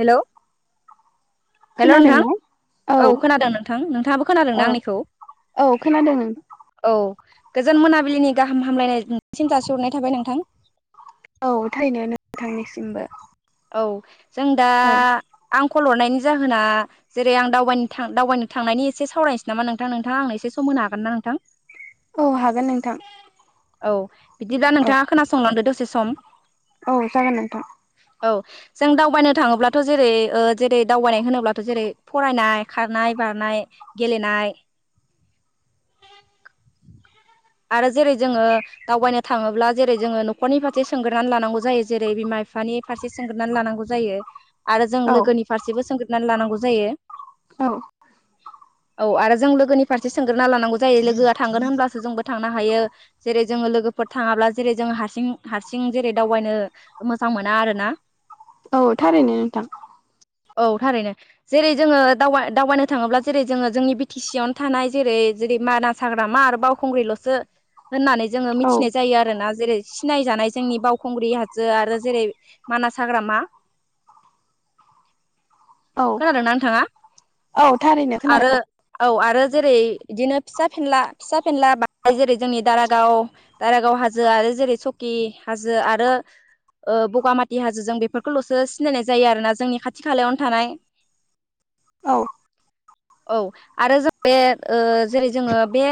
हेल' hello नोंथां खोनादोंना औ खोनादों नोंथां नोंथाङाबो खोनादों औ न आंनिखौ? औ खोनादों नों औ गोजोन मोनाबिलिनि गाहाम हामलायनायसिन जासिहरनाय थाबाय नोंथां औ थारैनो नोंथांनिसिमबो औ जों दा औ आं खल हरनायनि जाहोना जेरै आं दावबायनो थां दावबायनो थांनायनि एसे सावरायनोसै नामा नोंथां नोंथाङा एसे सम होनो हागोन ना नोंथां? औ हागोन नोंथां। औ बिदिब्ला औ नोंथाङा खोनासंलांदो दसे सम औ जागोन नोंथां औ जों दावबायनो थांङोब्लाथ' जेरै ओ जेरै दावबायनाय होनोब्लाथ' जेरै फरायनाय खारनाय बारनाय गेले नाय आरो जेरै जोंङो दावबायनो थांङोब्ला जेरै जोंङो न'खरनि फारसे सोंग्रोना लानांगौ जायो जेरै बिमा बिफानि फारसे सोंग्रोना लानांगौ जायो आरो जों औ लोगोनि फारसेबो सोंग्रोनानै लानांगौ जायो। औ औ आरो जों लोगोनि फारसे सोंग्रोना लानांगौ जायो लोगोआ थांगोन होनब्लासो जोंबो थांनो हायो। जेरै जोंङो लोगोफोर थांङाब्ला जेरै जोंङो हारसिं हारसिं जेरै दावबायनो मोजां मोना आरो ना औ थारैनो नोंथां औ थारैनो जेरै जोंङो दावबा दावबायनो थांङोब्ला जेरै जोंङो जोंनि बि टि सि आवनो थानाय जेरै जेरै मानास हाग्रामा आरो बावखुंग्रिल'सो होननानै जोंङो औ मिथिनाय जायो आरो ना जेरै सिनायजानाय जोंनि बावखुंग्रि जो आरो जेरै मानास हाग्रामा औ खोनादोंना नोंथांङा? औ थारैनो आरो खोनादों औ आरो आरो जेरै बिदिनो फिसा फेनला फिसा फेनला बाय जेरै जोंनि दारागाव दारागाव हाजोआ आरो जेरै चकि हाजो आरो ओ ब'गामाथि हाजोजों बेफोरखौ ल'सो सिनाय जायो आरो ना जोंनि खाथि खालायावनो थानाय औ औ आरो जों बे ओ जेरै जोंङो बे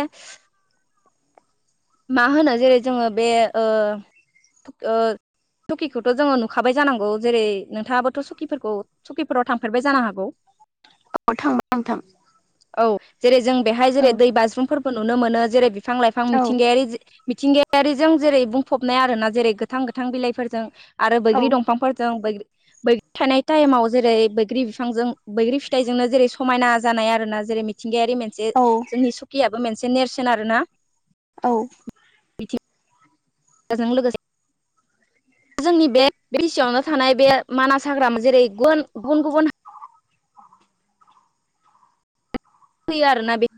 मा होनो जेरै जोंङो बे ओ सुकिखौथ' जोङो नुखाबाय जानांगौ जेरै नोंथाङाबोथ' सखिफोरखौ सखिफोराव थांफेरबाय जानो हागौ औ थांबाय नोंथां औ जेरै जों बेहाय औ जेरै दै बाज्रुमफोरबो नुनो मोनो जेरै बिफां लाइफां औ मिथिंगायारि मिथिंगायारिजों जेरै बुंफबनाय आरो ना जेरै गोथां गोथां बिलाइफोरजों आरो औ बैग्रि दंफांफोरजों बैग्रि बैग्रि थानाय टाइमाव जेरै बैग्रि बिफांजों बैग्रि फिथाइजोंनो जेरै समायना जानाय आरोना जेरै मिथिंगायारि मोनसे औ जोंनि सुखियाबो मोनसे नेरसोन आरो ना? औ बिथिं बेजों लोगोसे जोंनि बे बि टि सि यावनो थानाय बे मानास हाग्रामा जेरै गुबुन गुबुन फैयो आरो ना बे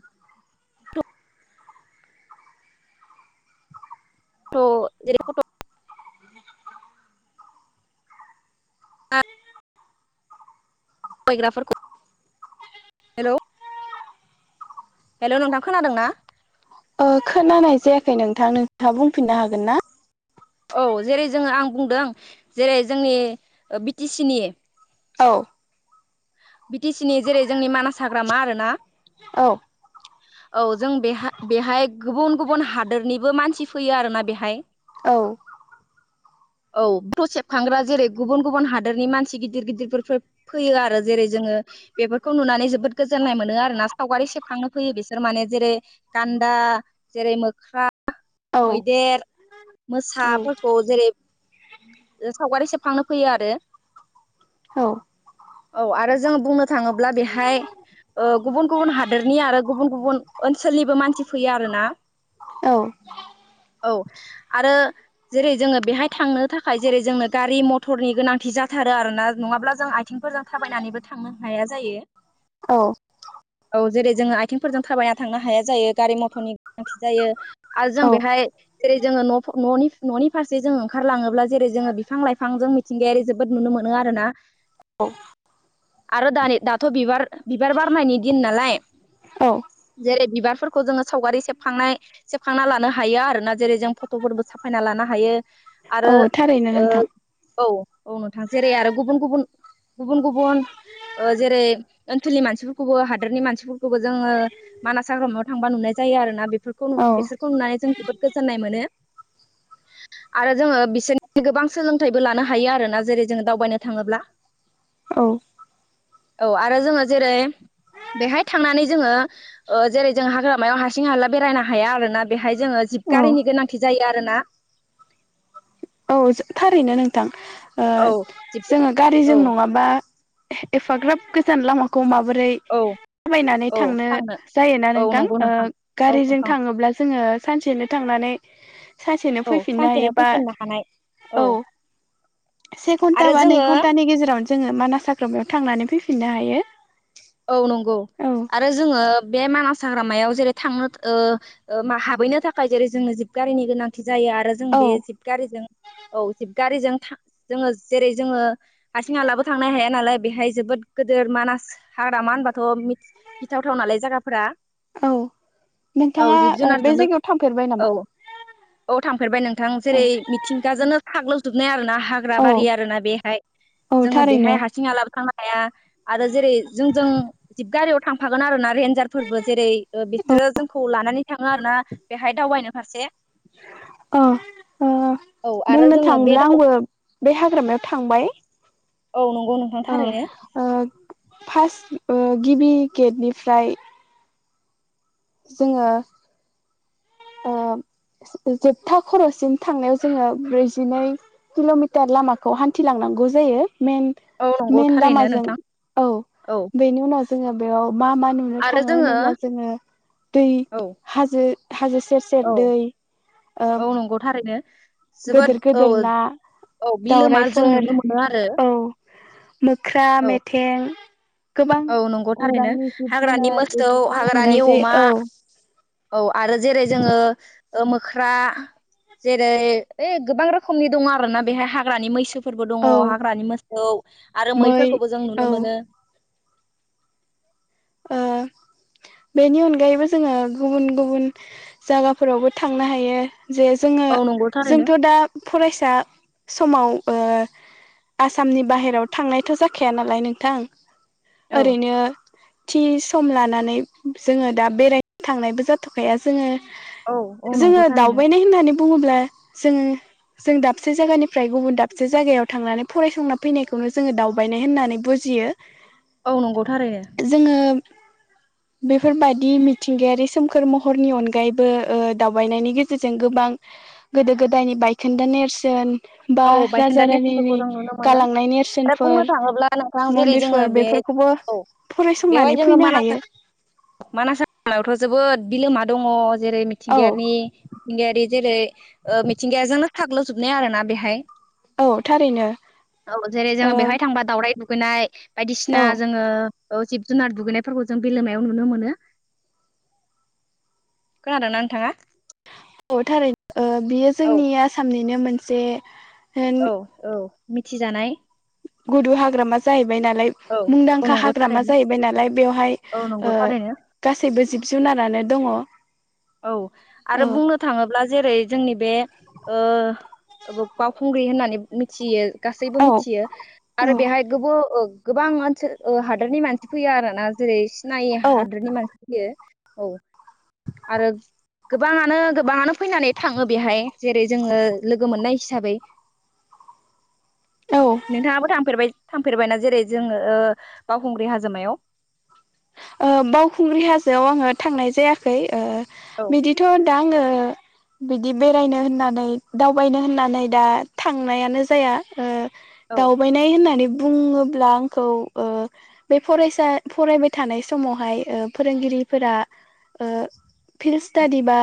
[unintelligible] [unintelligible] हेल'श्र हेल नोंथां खोनादों ना? ओ खोनानाय जायाखै नोंथां नोंथांङा बुंफिननो हागोन ना? औ जेरै जोंङो आं बुंदों जेरै जोंनि ओ बिटि सि नि औ बि टि सि नि जेरै जोंनि मानास हाग्रामा आरो ना औ औ जों बे बेहाय गुबुन गुबुन हादोरनिबो मानसि फैयो आरोना बेहाय औ औ पटसेबखांग्रा जेरै गुबुन गुबुन हादोरनि मानसि गिदिर गिदिरफोर फैयो आरो जेरै जों ङो बेफोरखौ नुनानै जोबोद गोजोननाय मोनो आरोना सावगारि सेबखांनो फैयो बिसोर माने जेरै गान्दा न्दा जेरै मोख्रा औ मैदेर औ मोसाफोरखौ जेरै सावगारि सेखांनो फैयो आरो औ आरो जोंङो बुंनो थांङोब्ला बेहाय ओ गुबुन गुबुन हादोरनि आरो गुबुन गुबुन ओनसोलनिबो मानसि फैयो आरो ना [unintelligible] आरो जेरै जोंङो बेहाय थांनो थाखा खाय जेरै जोंनो गारि मथरनि गोनांथि जाथारो आरो ना नंङाब्ला जों आइ आथिंफोरजों थाबायनानैबो थांनो हाया जायो औ औ जेरै जोङो आथिंफोरजों थाबायना थांनो हाया जायो गारि मथरनि गोनांथि जायो आरो जों बेहाय जेरै जोङो न'नि न'नि फारसे जों ओंखारलाङोब्ला जेरै जोङो बिफां लाइफांजों मिथिंगायारि जोबोद नुनो मोनो आरोना आरो दानि दाथ' बिबार बिबार बारनायनि दिन नालाय औ जेरै बिबार फोरखौ जोङो सावगारि सेबखांनाय सेबखांना लानो हायो आरो ना जेरै जों फट'फोरबो साफायना लानो हायो औ आरो थारैनो ओ नोंथां औ औ नोंथां जेरै आरो गुबुन गुबुन गुबुन गुबुन जेरै ओनसोलनि मानसिफोरखौबो हादोरनि मानसिफोरखौबो जोङो मानास हाग्रामायाव थांबा नुनाय जायो आरोना बे औ बिसोरखौ नुनानै जों जोबोद गोजोननाय मोनो आरो जों बिसोरनि गोबां सोलोंथाइबो लानो हायो आरोना जेरै जोङो दावबायनो थाङोब्ला औ औ आरो जोङो जेरै बेहाय थांनानै जोङो जेरै जों हाग्रामायाव हारसिं हाला बेरायनो हाया आरोना बेहाय जोङो औ जिबगारिनि गोनांथि जायो आरोना औ थारैनो नोंथां ओ औ जिब जोङो गारिजों औ नङाबा एफाग्राब गोजान लामाखौ माबोरै औ थाबायनानै थांनो जायोना औ नोंथां नंगौ ओ औ गारिजों नोंथां थाङोब्ला जोङो सानसेनो थांनानै सानसेनो औ फैफिननो सानसेनो हायोबा फैफिननो हानाय औ से घन्टा आरो बा नै जोङो घन्टानि गेजेरावनो जोङो मानास हाग्रायाव थांनानै फै फिननो हायो औ नंगौ औ आरो जोङो बे मानास हाग्रामायाव जेरै थांनो ओ ओ हाबहैनो थाखाय जेरै जोंनो जिब गारिनि गोनांथि जायो आरो जों औ बे जिब गारिजों औ गारिजों था जोङो जेरै जोङो हारसिं हालाबो थांनो हाया नालाय बेहाय जोबोद गिदिर मानास हाग्राामा होनबाथ' गिथावथाव नालाय जायगाफोरा औ औ नोंथाङा जिब ओ बे जुनारजोंनो जायगायाव थांफेरबाय औ नामा औ थांफेरबाय नोंथां औ जेरै मिथिंगाजोंनो साग्लोबजोबनाय आरोना हाग्रा औ बारि आरोना बेहाय औ जोङो थारैनो बेहाय हारसिं हलाबो थांनो हाया आरो जेरै जोंजों जिबगारियाव थांफागोन आरो ना रेन्जारफोरबो जेरै औ बिसोरो जोंखौ लानानै थाङो आर ना बेहाय दावबायनो फारसे अ अ औ आरो बुंनो जोङो बे थाङोब्ला दाव आंबो बे हाग्रामायाव थांबाय औ नंगौ औ नोंथांथारैनो ओ फार्स्ट गिबि गेटनिफ्राय जोङो आ जोबथा खर'सिम थांनायाव जोङो ब्रैजिनै किल'मिटार लामाखौ हान्थिलांनो हागोन गौ जायो मेन औ नंगौ मेन थारैनो लामाजों नोंथां औ औ बेनि उनाव जोङो बेयाव मा मा नुनो आरो थाङो जोङो होनोब्ला जोङो दै औ हाजो हाजो सेर सेर औ दै ओ औ नंगौ थारैनो गोदोर जोबोद औ गोदोर ना औ बिलोमा जों दावराइफोर नुनो मोनो आरो औ मोख्रा औ मेथें गोबां औ नंगौ थारैनो बिबांनि जिब हाग्रानि जुनार मोसौ बेफोरखौबो नुनाय हाग्रानि अमा जायो औ औ आरो जेरै जोङो ओ मोख्रा जेरै ओइ गोबां रोखोमनि दङ आरोना बेहाय हाग्रानि मैसो फोरबो दङ औ हाग्रानि मोसौ आरो मै मैफोरखौबो जों औ नुनो मोनो। [inaudible] ओ बेनि अनगायैबो जोङो गुबुन गुबुन जागाफोरावबो थांनो हायो। जे जोङो औ नंगौ थारैनो जोंथ' दा फरायसा समाव ओ आसामनि बाहेराव थांनायथ' जाखाया नालाय नोंथां औ ओरैनो थि सम लानानै जोङो दा बेरायनो थांनायबो जाथ'खाया जोङो। औ नंगौ जोङो थारैनो दावबायनाय होननानै बुङोब्ला जोङो जों दाबसे जायगानिफ्राय गुबुन दाबसे जायगायाव थांनानै फरायसंना फैनायखौनो जोङो दावबायनाय होननानै बुजि जियो। औ नंगौ थारैनो। जोङो। बेफोरबादि मिथिंगायारि सोमखोर महरनि अनगायैबो ओ दावबायनायनि गेजेरजों गोबां। बां गोदो गोदायनि बायखोन्दा नेरसोन बा औ बायखोन्दा राजा नेरसोनफोरखौ रानिनि जों नुनो मोनो गालांनाय आरो नेरसोनफोर बुंनो थाङोब्ला नोंथां जेरै जोङो मन्दिरफोर बे बेफोर खौबो। औ बेवहाय जोङो मानास मानास हायावथ' जोबोद बिलोमा दङ। जेरै औ मिथिंगायारि मिथिंगायारि जेरै ओ मिथिंगायाजोंनो फाग्लोबजोबनाय आरो ना बेहाय। औ थारैनो औ जेरै जोङो ओ बेवहाय थांबा दावराय दुखोनाय बायदिसिना औ जोङो। औ जिब- जुनार दुगैनायफोरखौ जों बेलेमायाव नुनो मोनो। खोनादोंना नोंथाङा? औ थारै ओ बियो औ जोंनि आसामनिनो मोनसे औ औ मिथिजानाय। गुरु हाग्रामा जायो। बाय नालाय औ औ मुंदांखा नंगौ हाग्रामा थारैनो जाहैबाय नालाय बेवहाय औ नंगौ ओ थारैनो गासैबो जिब-जुनारानो दङ। औ आरो बुंनो थाङोब्ला जेरै जोंनि बे ओ बावखुंग्रि होननानै मिथियो। गासैबो औ मिथियो औ आरो बेवहाय गोबो ओ। गोबां ओनसो ओ हादोरनि मानसि फैयो आरो ना जेरै सिनाय औ हादोरनि मानसि फैयो। औ। आरो गोबाङानो गोबाङानो फैनानै थाङो बेहाय। जेरै जोङो लोगो मोननाय हिसाबै। औ ओ नोंथाङाबो थांफेरबाय? थांफेरबायना जेरै जोङो ओ बावखुंग्रि हाजोमायाव? ओ बावखुंग्रि हाजोआव आङो थांनाय जायाखै ओ औ बिदिथ दा आंङो बिदि बेरायनो होननानै दावबायनो होननानै दा थांनायानो जाया ओ औ दावबायनाय होननानै बुङोब्ला आंखौ ओ बे फरायसा फरायबाय थानाय समावहाय ओ फोरोंगिरिफोरा ओ फिलस्टादि बा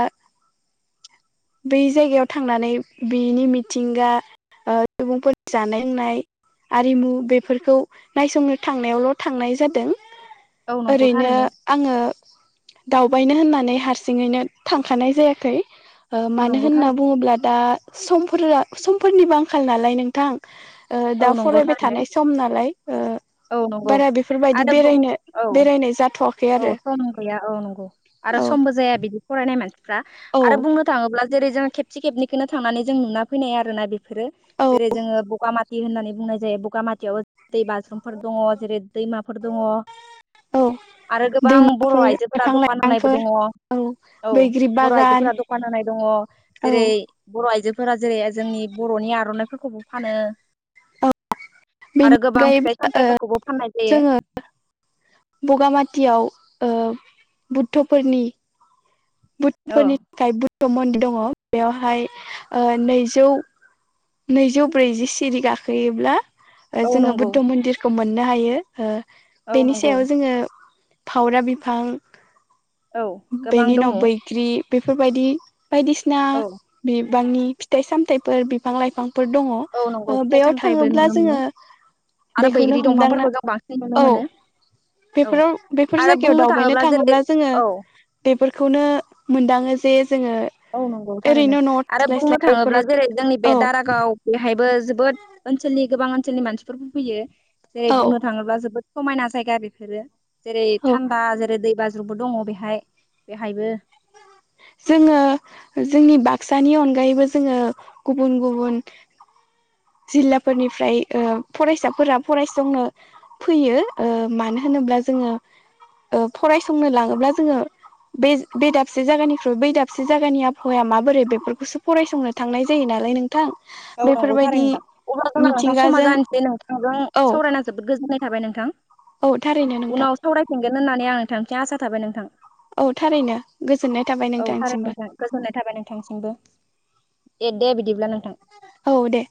बे जायगायाव थांनानै बेनि मिथिंगा ओ सुबुंफोर जानाय होनाय आरिमु बेफोरखौ नायसंनो थांनायावल' थांनाय जादों। औ नंगौ ओरैनो थारैनो आङो दाउ बायनो होननानै हारसिङैनो थांखानाय जायाखै। ओ औ मानो नंगौ होनना थारैनो बुङोब्ला दा समफोरा समफोरनिबो आंखाल नालाय नोंथां। ओ औ दा नंगौ फरायबाय थारैनो थानाय सम नालाय ओ औ नंगौ बारा बेफोरबायदि आरो बुं बेरायनो औ बेरायनाय जाथ'वाखै औ आरो सम गैया औ नंगौ आरो औ समबो जाया बिदि फरायनाय मानसि फ्रा औ आरो बुंनो थाङोब्ला जेरै जों खेबसे खेबनखौनो थांनानै जों नुना फैनाय आरोना बे फोरो औ जेरै जोङो बगामाथि होननानै बुंनाय जायो बगामाथियाव दै बाज्रुमफोर दङ' जेरै दैमाफोर दङ' औ आरो गोबां बर' दैमाफोर आइजोफोरा बिफां दखान होनायबो लाइफांफोर दङ' औ औ बैग्रि बर' बागान आइजोफोरा दखान होनाय दङ' औ जेरै बर' आइजो फोरा जेरै जोंनि बर'नि आर'नाइफोरखौबो फानो औ बेनि आरो गोबां अनगायैबो फिथाइ सामथाइफोरखौबो फाननाय जायो। जोङो बगामाथियाव ओ बुद्धफोरनि औ बुद्धफोरनि थाखाय बुद्ध मन्दिर दङ' बेयावहाय ओ नैजौ नैजौ ब्रैजि सिरि गाखोयोब्ला ओ औ जोङो नंगौ बुद्ध मन्दिरखौ मोननो हायो ओ औ बेनि नंगौ सायाव जोङो फावरा बिफां औ गोबां दङ' दि बेफोरबायदि बायदिसिना औ बिबांनि फिथाइ सामथाइफोर बिफां लाइफां फोर दङ' औ नंगौ ओ फिथाइ बेयाव सामथाइबो थाङोब्ला नुनो जोङो मोनो आरो बेखौनो बैग्रि हमदांना दंफांफोरखौ जों बांसिन नुनो औ मोनो औ बेफोराव बेफोर आरो जायगायाव बुंनो दावबायनो जेरै थाङोब्ला जोङो औ बेफोरखौ नो मोनदाङो जे औ नंगौ थारैनो ओरैनो न'आव आरो बुंनो थास्लायस्लाय थाङोब्ला बेफोराव जेरै जोंनि बे औ दारागाव बेहायबो जोबोद ओनसोलनि गोबां ओनसोलनि मानसिफोरबो फैयो जेरै औ बुंनो थाङोब्ला जोबोद समायना जायगा बेफोरो जेरै औ थान्दा जेरै दैबा ज्रुबो दङ' बेहाय बेहायबो जोङो जोंनि बाक्सानि अनगायैबो जोङो गुबुन गुबुन [inaudible] जिल्लाफोरनिफ्राय ओ फरायसाफोरा फरायसंनो फैयो ओ मानो होनोब ब्ला जोङो ओ फरायसंनो लाङोब्ला जोङो बे बे दाबसे जायगानिख्रु बै दाबसे जायगानि आबहावाया माबोरै बेफोरखौसो फरायसंनो थांनाय जायो नालाय नों थां औ नंगौ थारैनो बेफोरबायदि नोंथां अब्ला जोंना नोंथां समा मिथिंगाजों जानोसै नोंथांजों औ सावरायना जोबोद गोजोननाय थाबाय नोंथां। औ थारैनो नोंथां गोन होननानै आं नोंथांनिथिं आसा थाबाय नोंथां। औ थारैनो गोजोननाय थाबाय औ थाराय नोंथांसिमबो नोंथां गोजोननाय थाबाय नोंथांसिमबो दे दे बिदिब्ला नोंथां। औ दे।